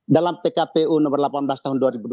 dalam pkpu nomor delapan belas tahun dua ribu dua puluh